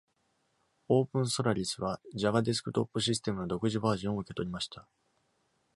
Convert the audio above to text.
OpenSolaris は Java デスクトップシステムの独自バージョンを受け取りました。